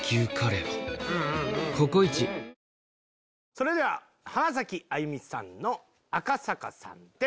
それでは浜崎あゆみさんの赤坂さんです。